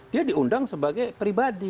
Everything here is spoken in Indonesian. dia diundang sebagai pribadi